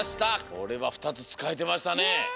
これはふたつつかえてましたね。